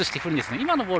今のボール